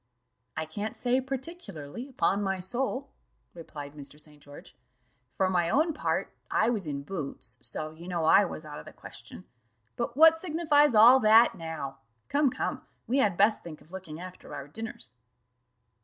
"I can't say particularly, upon my soul," replied Mr. St. George; "for my own part, I was in boots, so you know I was out of the question. But what signifies all that now? Come, come, we had best think of looking after our dinners."